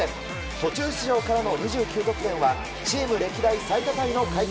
途中出場からの２９得点はチーム歴代最多タイの快挙。